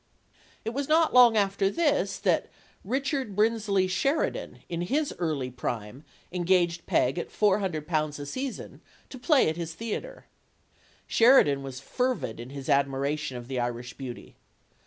It was not long after this that Richard Brinsley Sher idan, in his early prime, engaged Peg at four hundred pounds a season, to play at his theater. Sheridan was fervid in his admiration of the Irish beauty.